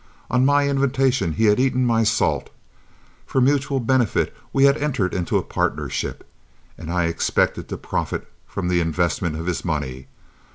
On my invitation he had eaten my salt. For mutual benefit we had entered into a partnership, and I expected to profit from the investment of his money.